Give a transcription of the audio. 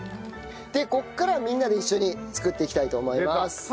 でここからみんなで一緒に作っていきたいと思います。